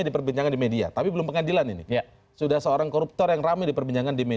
ada yang bisa penangkapan tujuh hari